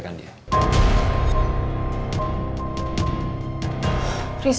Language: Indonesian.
aku mau ngerti